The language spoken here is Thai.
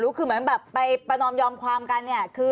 ไม่รู้คือไปประนอมยอมความกันคือ